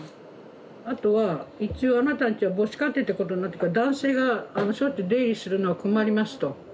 あとは一応あなたのうちは母子家庭ってことになってるから男性があのしょっちゅう出入りするのは困りますと。